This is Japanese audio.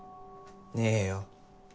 ねえよ。